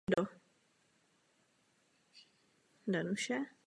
Byl tajemníkem "Svazu československých výtvarných umělců" v Českých Budějovicích.